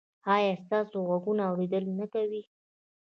ایا ستاسو غوږونه اوریدل نه کوي؟